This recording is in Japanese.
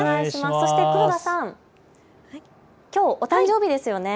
黒田さん、きょうお誕生日ですよね。